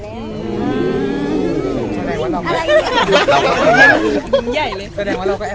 โปรดติดตามต่อไป